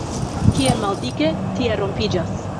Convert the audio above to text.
Kie maldike, tie rompiĝas.